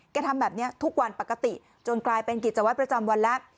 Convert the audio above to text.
ทำแบบนี้ทุกวันปกติจนกลายเป็นกิจวัตรประจำวันแล้ว